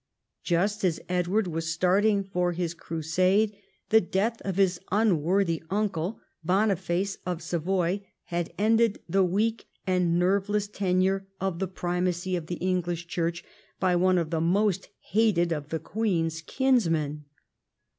Just as Edward was starting for his Crusade, the death of his unworthy vmclc, Boniface of Savoy, had ended the weak and nerveless tenure of the primacy of the English Church by one of the most hated of the queen's kins men.